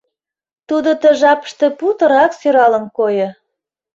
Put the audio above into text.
Тудо ты жапыште путырак сӧралын койо.